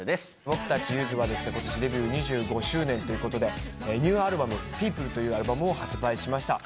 僕たちゆずは今年デビュー２５周年ということでニューアルバム『ＰＥＯＰＬＥ』というアルバムを発売しました。